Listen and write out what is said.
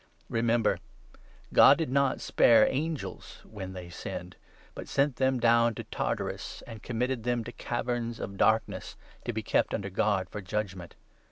Remember, God did not spare angels when they sinned, but sent them down to Tartarus, and committed them to caverns of dark ness, to be kept under guard for judgement.